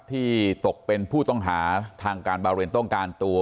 ที่ตกเป็นผู้ต้องหาทางการบาเรนต้องการตัว